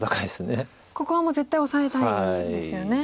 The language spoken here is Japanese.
ここはもう絶対オサえたいですよね。